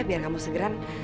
biar kamu segeran